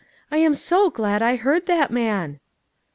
"I am so glad I heard that man!"